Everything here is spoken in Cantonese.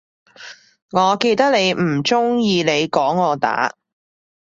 我記得你唔鍾意你講我打